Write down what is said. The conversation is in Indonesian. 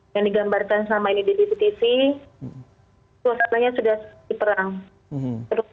yang digambarkan selama ini di tv tv suasananya sudah seperti perang